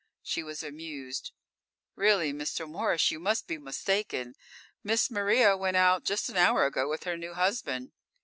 She was amused. "Really, Mr. Morris, you must be mistaken. Miss Maria went out just an hour ago with her new husband.